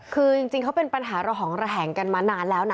คือจริงเขาเป็นปัญหาระหองระแหงกันมานานแล้วนะ